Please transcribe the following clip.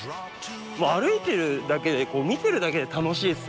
歩いてるだけで見てるだけで楽しいですもんね